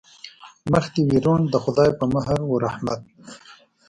مخ دې وي روڼ د خدای په مهر و رحمت.